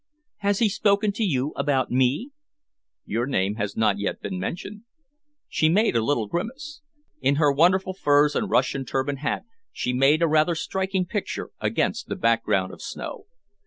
"Has he spoken to you about me?" "Your name has not yet been mentioned." She made a little grimace. In her wonderful furs and Russian turban hat she made a rather striking picture against the background of snow.